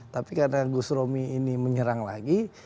tapi karena gus romi ini menyerang lagi